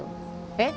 えっ？